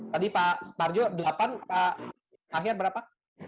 tadi pak sparjo delapan pak akhyar berapa